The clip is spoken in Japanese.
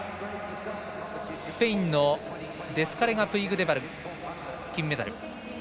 スペインのデスカレガプイグデバルが金メダル。